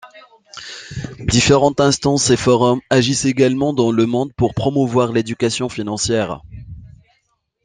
Différentes instances et forums agissent également dans le monde pour promouvoir l’éducation financière.